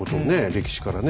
歴史からね。